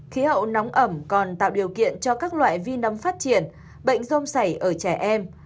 khí hậu nóng ẩm còn tạo điều kiện cho các loại vi nấm phát triển bệnh dôm sảy ở trẻ em